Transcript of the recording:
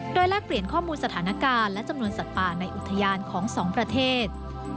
โดยแลกเปลี่ยนข้อมูลสถานการณ์และจำนวนสัตว์ป่าในอุทยานของสองประเทศ